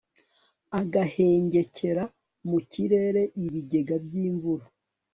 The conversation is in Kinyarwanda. agahengekera mu kirere ibigega by'imvura